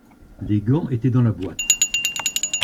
Les gants étaient dans la boîte.